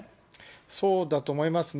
そうだと思いますね。